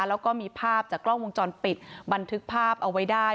แล้วก็มีภาพจากกล้องวงจรปิดบันทึกภาพเอาไว้ได้